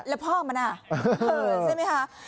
แล้วพ่อมันใช่ไหมคะ